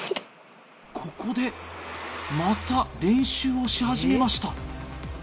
ここでまた練習をし始めました。